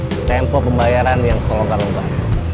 tunggu tempo pembayaran yang selalu terubah